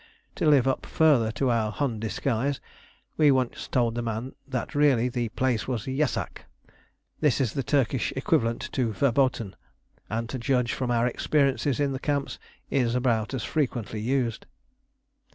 To live up further to our Hun disguise, we once told the man that really the place was "yessak." This is the Turkish equivalent to "verboten," and, to judge from our experiences in the camps, is about as frequently used.